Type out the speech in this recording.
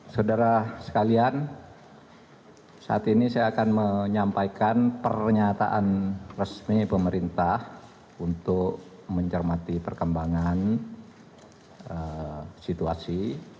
saudara sekalian saat ini saya akan menyampaikan pernyataan resmi pemerintah untuk mencermati perkembangan situasi